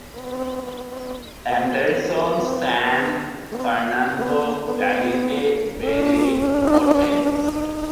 Anderson San Fernando ভ্যালিতে বেড়ে ওঠেন।